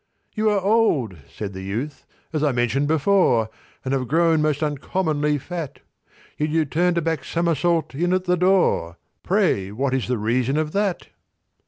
"You are old," said the youth, "as I mentioned before, And have grown most uncommonly fat; Yet you turned a back somersault in at the door— Pray, what is the reason of that?"